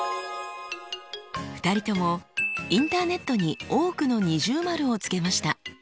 ２人ともインターネットに多くの◎をつけました。